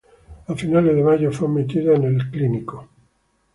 A finales de mayo fue admitida al Woodbridge Hospital.